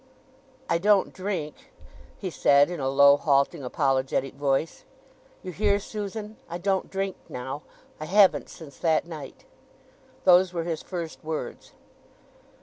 "I don't drink," he said in a low, halting, apologetic voice. "You hear, Susan?—I don't drink now—I haven't since that night." Those were his first words.